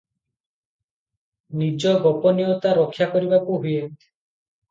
ନିଜ ଗୋପନୀୟତା ରକ୍ଷାକରିବାକୁ ହୁଏ ।